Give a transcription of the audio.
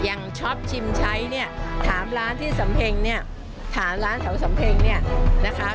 ช็อปชิมใช้เนี่ยถามร้านที่สำเพ็งเนี่ยถามร้านแถวสำเพ็งเนี่ยนะคะ